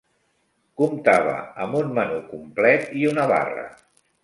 Comptava amb un menú complet i una barra.